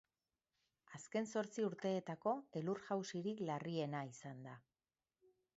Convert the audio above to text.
Azken zortzi urteetako elur-jausirik larriena izan da.